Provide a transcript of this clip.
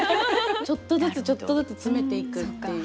ちょっとずつちょっとずつ詰めていくっていう。